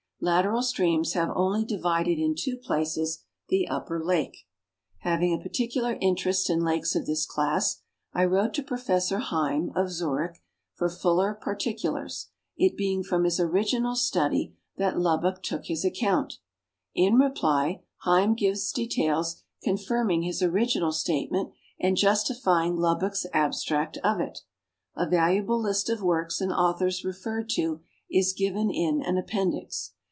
Lateral streams have only divided in two places the upper lake." Having a particular interest in lakes of this class, I wrote to Professor Heim, of Zurich, for fuller jiartic ulars, it being from his original study that Lubbock took his account. In reply, Heim gives details confirming his original statement and justifying Lubbock's abstract of it. A valuable list of works and authors referred to is given in an appendix.